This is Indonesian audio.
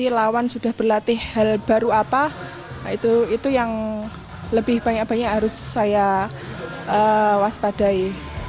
jadi lawan sudah berlatih hal baru apa itu yang lebih banyak banyak harus saya waspadai